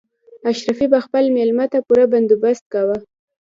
اشرافي به خپل مېلمه ته پوره بندوبست کاوه.